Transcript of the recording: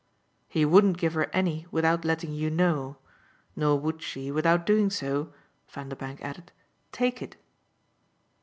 "He wouldn't give her any without letting you know. Nor would she, without doing so," Vanderbank added, "take it."